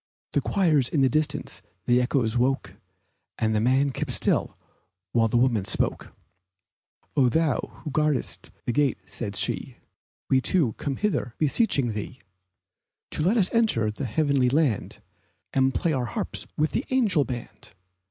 The choirs in the distance the echoes woke And the man kept still while the woman spoke: "Oh, thou who guardest the gate," said she, "We two come hither beseeching thee To let us enter the heavenly land, And play our harps with the angel band.